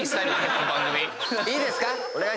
いいですか？